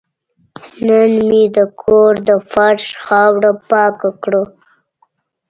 نن مې د کور د فرش خاوره پاکه کړه.